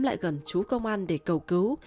lại gần chú công an để cầu cứu